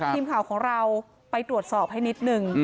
ทีมข่าวของเราไปตรวจสอบให้นิดนึง